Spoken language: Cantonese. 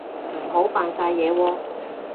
唔好扮晒嘢喎